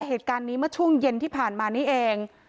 เหตุการณ์นี้เมื่อช่วงเย็นที่ผ่านมานี่เอง